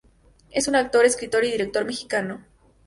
Es un actor, escritor y director mexicano.